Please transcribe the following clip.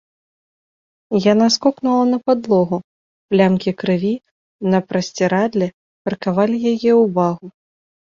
Яна скокнула на падлогу, плямкі крыві на прасцірадле прыкавалі яе ўвагу.